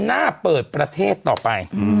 หน้าเปิดประเทศต่อไป